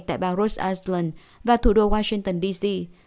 tại bang rhode island và thủ đô washington d c